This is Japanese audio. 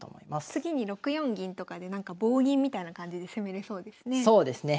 次に６四銀とかで棒銀みたいな感じで攻めれそうですね。